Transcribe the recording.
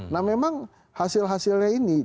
nah memang hasil hasilnya ini